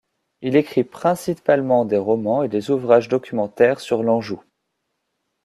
Il écrit principalement des romans et des ouvrages documentaires sur l'Anjou.